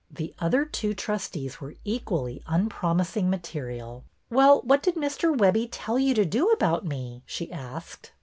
The other two trustees were equally unpromising material. " Well, what did Mr. Webbie tell you to do about me ?" she asked.